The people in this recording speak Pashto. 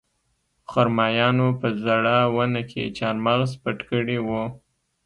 خرمایانو په زړه ونه کې چارمغز پټ کړي وو